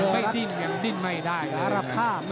ไม่ดิ้นไม่ได้เลย